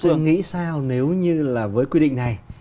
thế luật sư nghĩ sao nếu như là với quy định này